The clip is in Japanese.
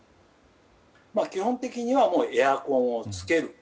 基本的にはエアコンをつける。